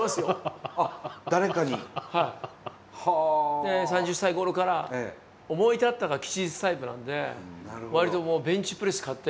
で３０歳頃から思い立ったが吉日タイプなんで割とベンチプレス買って。